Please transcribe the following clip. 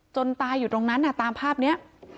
ตายอยู่ตรงนั้นตามภาพนี้